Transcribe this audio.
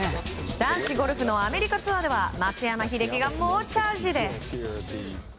男子ゴルフのアメリカツアーでは松山英樹が猛チャージです。